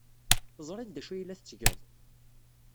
Teẓriḍ d acu ay la tettgeḍ?